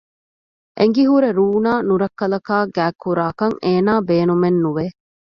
އެނގިހުރެ ރޫނާ ނުރައްކަލަކާ ގާތްކުރާކަށް އޭނާ ބޭނުމެއް ނުވެ